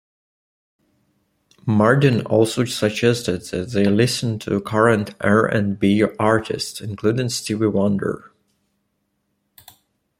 Mardin also suggested they listen to current R and B artists including Stevie Wonder.